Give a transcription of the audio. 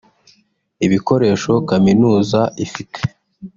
ibikoresho Kaminuza ifite